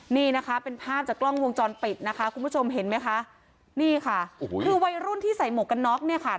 นี่นะคะเป็นภาพจากกล้องวงจรปิดนะคะคุณผู้ชมเห็นไหมคะนี่ค่ะโอ้โหคือวัยรุ่นที่ใส่หมวกกันน็อกเนี่ยค่ะ